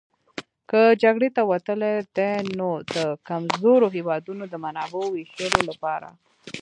که جګړې ته وتلي دي نو د کمزورو هېوادونو د منابعو وېشلو لپاره.